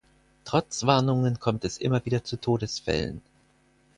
Trotz Warnungen kommt es immer wieder zu Todesfällen.